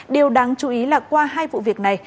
điều đáng chú ý là qua hai vụ việc này